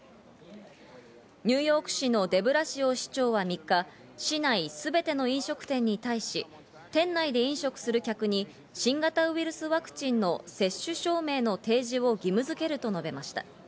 ニューヨーク市のデブラシオ市長は３日、市内すべての飲食店に対し、店内で飲食する客に新型ウイルスワクチンの接種証明の提示を義務づけると述べました。